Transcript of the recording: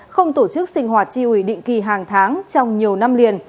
không tổ chức sinh hoạt tri ủy định kỳ hàng tháng trong nhiều năm liền